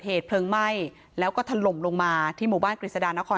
เหตุเพลิงไหม้แล้วก็ถล่มลงมาที่หมู่บ้านกฤษฎานคร